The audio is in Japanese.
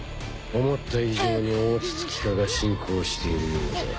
思った以上に大筒木化が進行しているようだ。